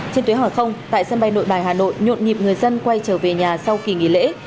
trên tuyến hàng không tại sân bay nội bài hà nội nhộn nhịp người dân quay trở về nhà sau kỳ nghỉ lễ